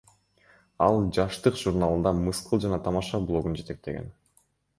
Ал Жаштык журналында мыскыл жана тамаша блогун жетектеген.